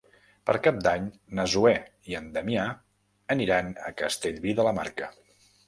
Per Cap d'Any na Zoè i en Damià aniran a Castellví de la Marca.